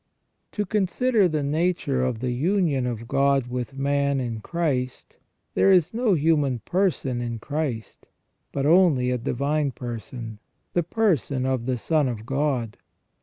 To consider the nature of the union of God with man in Christ, there is no human person in Christ, but only a divine person, the person of the Son of God.